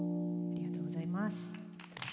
ありがとうございます。